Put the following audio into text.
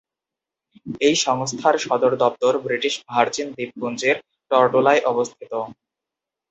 এই সংস্থার সদর দপ্তর ব্রিটিশ ভার্জিন দ্বীপপুঞ্জের টরটোলায় অবস্থিত।